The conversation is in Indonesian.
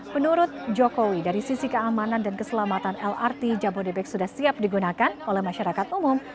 menurut jokowi dari sisi keamanan dan keselamatan lrt jabodebek sudah siap digunakan oleh masyarakat umum